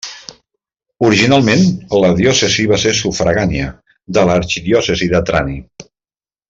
Originalment, la diòcesi va ser sufragània de l'arxidiòcesi de Trani.